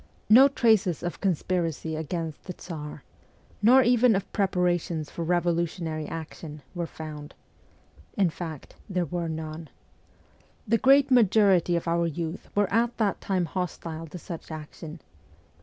No traces of conspiracy against the Tsar, nor even of preparations for revolu tionary action, were found ; in fact, there were none. The great majority of our youth were at that time hostile to such action.